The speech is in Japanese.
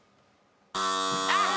あっ！